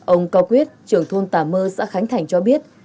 ông cao quyết trưởng thôn tà mơ xã khánh thành cho biết